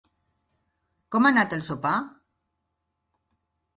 Com ha anat el sopar?